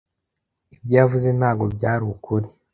Ibyo yavuze ntabwo byari ukuri.